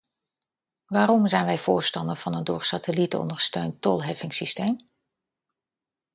Waarom zijn wij voorstander van een door satellieten ondersteund tolheffingssysteem?